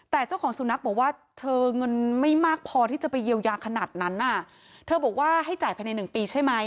แต่เจ้าของสุนัขบอกว่าเธอเงินไม่มากพอที่จะไปเยียวยาขนาดนั้นน่ะเธอบอกว่าให้จ่ายภายในหนึ่งปีใช่ไหม